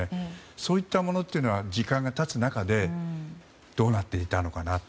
そういったものは時間が経つ中でどうなっていたのかなと。